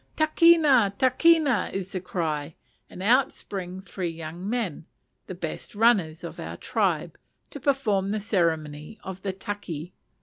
"Takina! takina!" is the cry, and out spring three young men, the best runners of our tribe, to perform the ceremony of the taki.